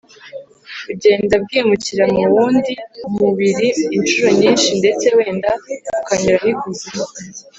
bugenda bwimukira mu wundi mubiri incuro nyinshi ndetse wenda bukanyura n’ikuzimu.